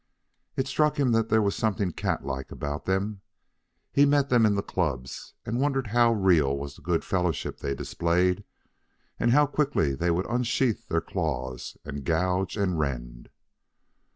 It struck him that there was something cat like about them. He met them in the clubs, and wondered how real was the good fellowship they displayed and how quickly they would unsheathe their claws and gouge and rend.